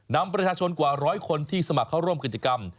นำประชาชนกว่าร้อยคนที่สมัครเข้าร่วมกิจกรรม